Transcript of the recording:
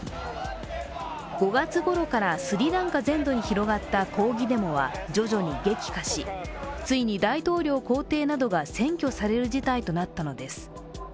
５月ごろからスリランカ全土に広がった抗議デモは徐々に激化し、ついに大統領公邸などが占拠される事態となったのです。